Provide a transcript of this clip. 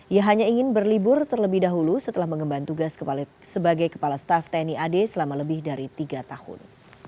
ia hanya ingin berlibur terlebih dahulu setelah mengemban tugas sebagai kepala staff tni ad selama lebih dari tiga tahun